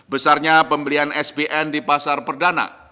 besarnya pembelian sbn di pasar perdana